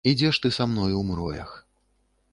Ідзеш ты са мною ў мроях.